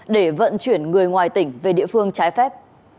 để vận chuyển người ngoài tỉnh về địa phương trái phép